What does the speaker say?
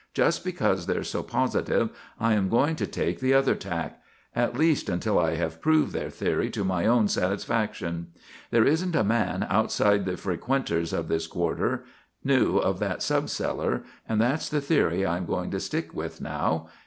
Just because they're so positive, I am going to take the other tack; at least until I have proved their theory to my own satisfaction. There isn't a man outside the frequenters of this quarter knew of that subcellar and that's the theory I am going to stick with now.